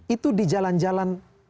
itu di jalan jalan